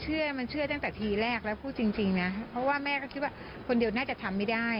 เชื่อมันเชื่อตั้งแต่ทีแรกแล้วพูดจริงนะเพราะว่าแม่ก็คิดว่าคนเดียวน่าจะทำไม่ได้